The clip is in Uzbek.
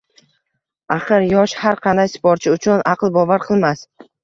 Axir, yosh – har qanday sportchi uchun aql bovar qilmas.